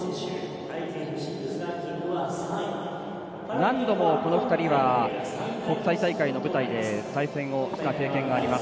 何度も、この２人は国際大会の舞台で対戦をした経験があります。